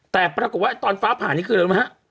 แต่ปรากฏว่าตอนฟ้าผ่านี่คืออะไรนะครับ